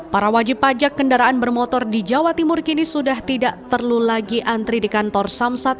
para wajib pajak kendaraan bermotor di jawa timur kini sudah tidak perlu lagi antri di kantor samsat